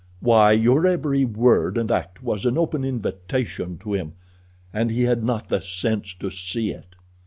Why, your every word and act was an open invitation to him, and he had not the sense to see it."